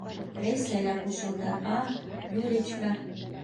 Рәйсә лә ҡушылды: - А, Юличка!